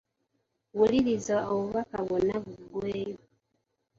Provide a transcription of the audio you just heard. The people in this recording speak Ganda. Wuliriza obubaka bwonna buggweeyo.